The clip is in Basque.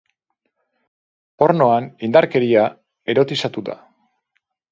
Pornoan indarkeria erotizatu da.